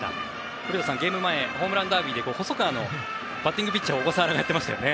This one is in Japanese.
古田さん、ゲーム前ホームランダービーで細川のバッティングピッチャーを小笠原がやっていましたね。